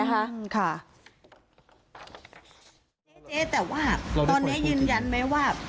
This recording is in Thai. เจ๊แต่ว่าตอนนี้ยืนยันไหมว่า